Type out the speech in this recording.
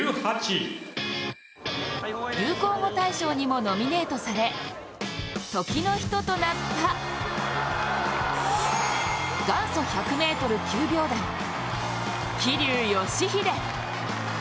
流行語大賞にもノミネートされ、時の人となった、元祖１００ｍ９秒台、桐生祥秀。